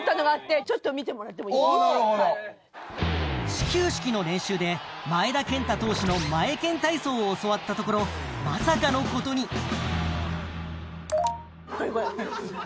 始球式の練習で前田健太投手のマエケン体操を教わったところまさかのことにこれこれ。